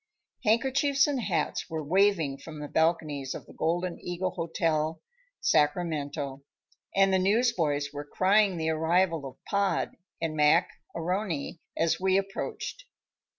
Handkerchiefs and hats were waving from the balconies of the Golden Eagle Hotel, Sacramento, and newsboys were crying the arrival of Pod and Mac A'Rony as we approached.